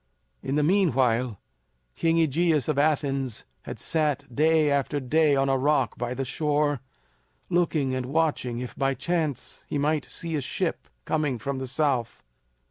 In the meanwhile, King AEgeus of Athens had sat day after day on a rock by the shore, looking and watching if by chance he might see a ship coming from the south.